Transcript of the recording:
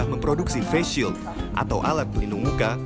memproduksi face shield atau alat pelindung muka